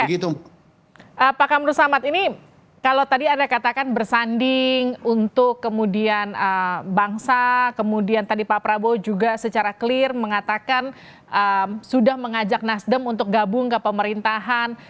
pak kamru samad ini kalau tadi anda katakan bersanding untuk kemudian bangsa kemudian tadi pak prabowo juga secara clear mengatakan sudah mengajak nasdem untuk gabung ke pemerintahan